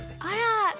あら！